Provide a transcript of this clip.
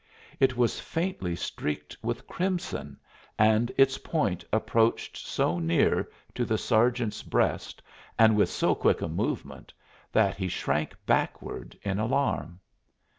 It was faintly streaked with crimson, and its point approached so near to the sergeant's breast, and with so quick a movement, that he shrank backward in alarm.